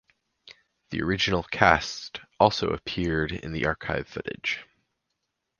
The original cast also appear in archive footage.